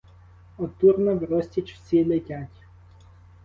Од Турна врозтіч всі летять;